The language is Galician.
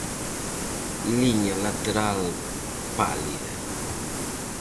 Liña lateral pálida.